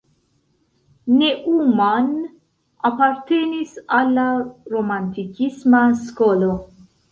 Neumann apartenis al la romantikisma skolo.